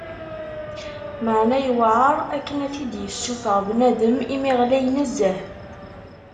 Meεna iwεer akken ad t-id-yessufeɣ bnadem imi ɣlay nezzeh.